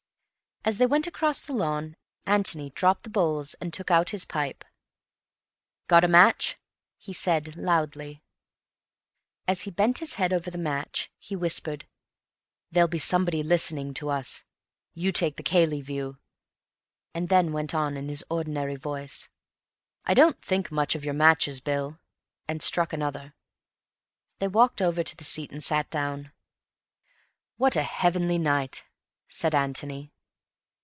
As they went across the lawn, Antony dropped the bowls and took out his pipe. "Got a match?" he said loudly. As he bent his head over the match, he whispered, "There'll be somebody listening to us. You take the Cayley view," and then went on in his ordinary voice, "I don't think much of your matches, Bill," and struck another. They walked over to the seat and sat down. "What a heavenly night!" said Antony.